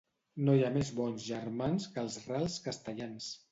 No hi ha més bons germans que els rals castellans.